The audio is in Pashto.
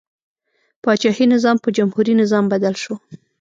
پاچاهي نظام په جمهوري نظام بدل شو.